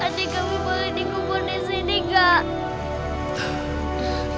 adik kami boleh dikubur di sini gak